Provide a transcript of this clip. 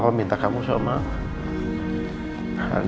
kameranya mana ya pak